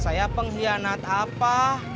saya pengkhianat apa